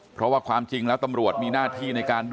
เพราะว่าความจริงแล้วตำรวจมีหน้าที่ในการดู